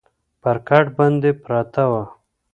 پر کټ باندي پرته وه